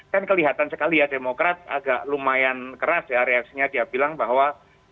kan kelihatan sekali ya demokrat agak lumayan keras ya reaksinya dia bilang bahwa